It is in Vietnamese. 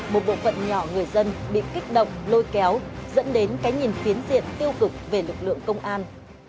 một bộ phận nhỏ người dân bị kích động lôi kéo dẫn đến cái nhìn phiến diện tiêu cực về lực lượng công an